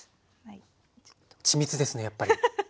緻密ですねやっぱり。ハハハ。